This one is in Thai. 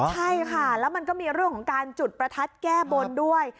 ใช่ค่ะแล้วมันก็มีเรื่องของการจุดประทัดแก้บนด้วย